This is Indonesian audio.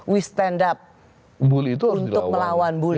kita harus stand up untuk melawan bully